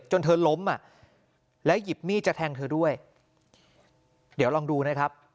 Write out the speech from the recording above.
จนเธอล้มอ่ะแล้วหยิบมีดจะแทงเธอด้วยเดี๋ยวลองดูนะครับ